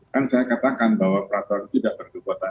kan saya katakan bahwa peraturan tidak berdekatan